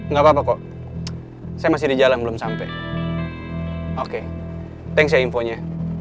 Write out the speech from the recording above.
gapapa kok saya masih di jalan belum sampe oke thanks ya infonya